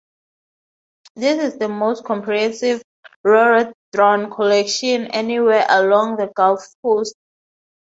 This is the most comprehensive rhododendron collection anywhere along the Gulf Coast.